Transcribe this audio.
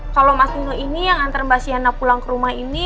kalau mas nu ini yang antar mbak siana pulang ke rumah ini